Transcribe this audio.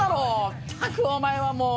ったくおまえはもう！